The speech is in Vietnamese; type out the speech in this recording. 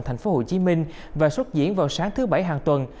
tp hcm và xuất diễn vào sáng thứ bảy hàng tuần